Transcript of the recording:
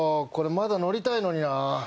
これまだ乗りたいのにな